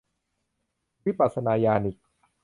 วิปัสสนายานิก